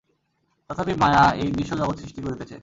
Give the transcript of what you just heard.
তথাপি মায়া এই দৃশ্য-জগৎ সৃষ্টি করিতেছে।